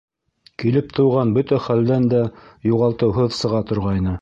Килеп тыуған бөтә хәлдән дә юғалтыуһыҙ сыға торғайны.